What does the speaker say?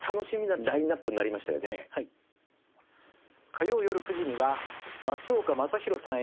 火曜よる９時には松岡昌宏さん